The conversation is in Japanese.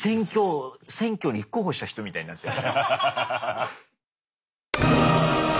選挙立候補した人みたいになってる。